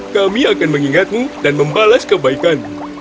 kami akan mengingatmu dan membalas kebaikanmu